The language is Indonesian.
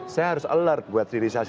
saya harus alert buat diri saya